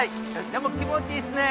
でも気持ちいいっすね。